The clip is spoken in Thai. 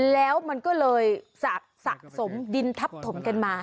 แล้วมันก็เลยสะสมดินทับถมกันมา